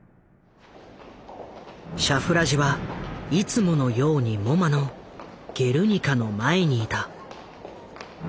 シャフラジはいつものようにＭｏＭＡの「ゲルニカ」の前に居た。